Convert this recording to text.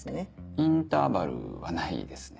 インターバルはないですね。